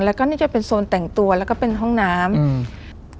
แล้วก็นี่จะเป็นโซนแต่งตัวแล้วก็เป็นห้องน้ำอืม